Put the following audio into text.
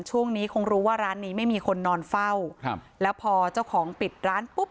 ช่วงนี้คงรู้ว่าร้านนี้ไม่มีคนนอนเฝ้าครับแล้วพอเจ้าของปิดร้านปุ๊บ